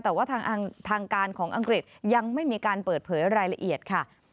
แต่ว่าทางการของอังกฤษยังไม่มีการเปิดเผยรายละเอียดค่ะ